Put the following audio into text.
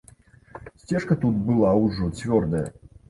Сцежка тут была ўжо цвёрдая.